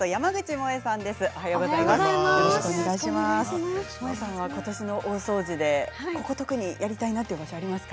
もえさんは、ことしの大掃除でここを特にやりたいなという場所がありますか？